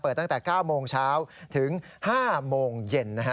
ตั้งแต่๙โมงเช้าถึง๕โมงเย็น